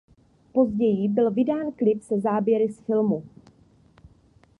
Později byl vydán klip se záběry z filmu.